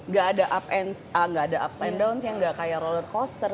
gak ada ups and downs ya gak kayak roller coaster